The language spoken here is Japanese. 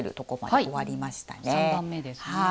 はい３番目ですね。